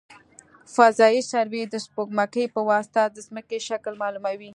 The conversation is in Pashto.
فضايي سروې د سپوږمکۍ په واسطه د ځمکې شکل معلوموي